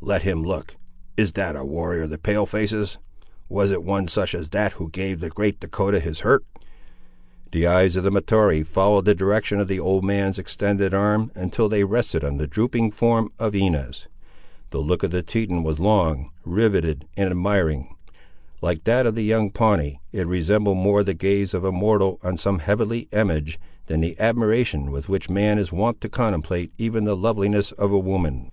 Let him look: is that a warrior of the Pale faces? Was it one such as that who gave the great Dahcotah his hurt?" The eyes of Mahtoree followed the direction of the old man's extended arm, until they rested on the drooping form of Inez. The look of the Teton was long, riveted, and admiring. Like that of the young Pawnee, it resembled more the gaze of a mortal on some heavenly image, than the admiration with which man is wont to contemplate even the loveliness of woman.